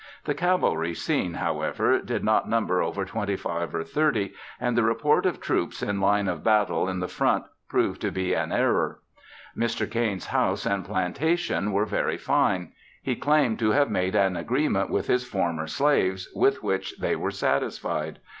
The cavalry seen, however, did not number over twenty five or thirty; and the report of troops in line of battle in the front proved to be an error. Mr. Cain's house and plantation were very fine. He claimed to have made an agreement with his former slaves, with which they were satisfied.